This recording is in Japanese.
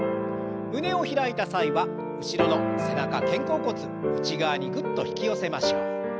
胸を開いた際は後ろの背中肩甲骨内側にグッと引き寄せましょう。